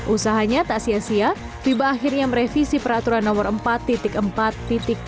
usahanya tak sia sia fiba akhirnya merevisi peraturan nomor empat empat dua soal larangan penggunaan tutup kepala pada atlet bola basket